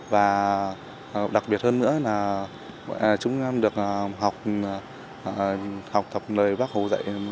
và đặc biệt hơn nữa là chúng em được học tập lời bác hồ dạy